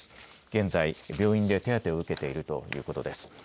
現在、病院で手当てを受けているということです。